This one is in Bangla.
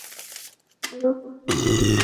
ওরকম কিছু না।